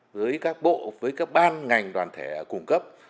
với các bộ với các ban ngành đoàn thể cung cấp